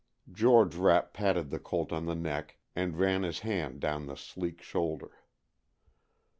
George Rapp patted the colt on the neck and ran his hand down the sleek shoulder.